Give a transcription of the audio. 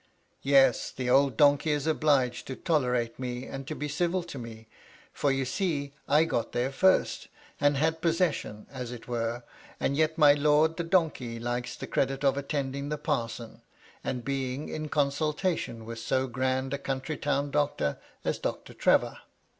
" Yes, the old donkey is obliged to tolerate me, and be civil to me ; for, you see, I got there first, and had possession, as it were, and yet my lord the donkey likes the credit of attending the parson, and being in con sultation with so grand a county town doctor as Doctor Trevor.